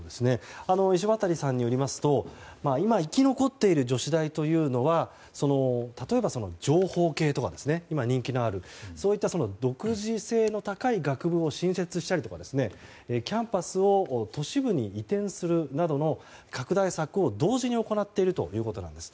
石渡さんによりますと今、生き残っている女子大は例えば、情報系とかの今、人気のあるそういった独自性の高い学部を新設したりキャンパスを都市部に移転するなどの拡大策を同時に行っているということなんです。